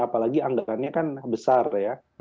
apalagi anggarannya kan besar ya